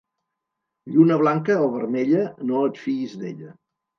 Lluna blanca o vermella, no et fiïs d'ella.